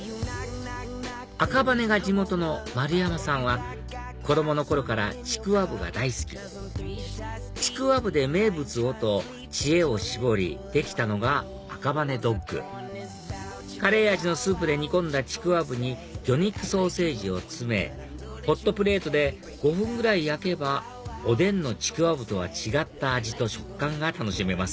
赤羽が地元の丸山さんは子供の頃からちくわぶが大好きちくわぶで名物をと知恵を絞りできたのが赤羽ドッグカレー味のスープで煮込んだちくわぶに魚肉ソーセージを詰めホットプレートで５分ぐらい焼けばおでんのちくわぶとは違った味と食感が楽しめます